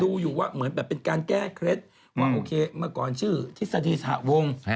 ดูอยู่ว่าเหมือนแบบเป็นการแก้เคล็ดว่าโอเคเมื่อก่อนชื่อทฤษฎีสหวง